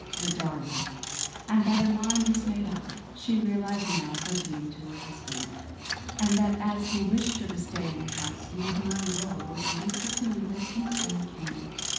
The darling! And that her mind was made up. She realised now her duty to her husband; and that as he wished her to stay in the house, nothing in the world would induce her to leave it till he came.